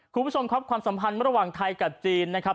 คุณผู้ชมครับความสัมพันธ์ระหว่างไทยกับจีนนะครับ